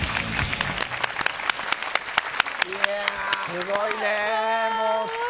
すごいね。